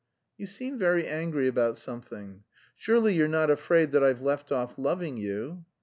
"You seem very angry about something. Surely you're not afraid that I've left off loving you?"